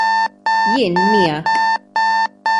Jien miegħek!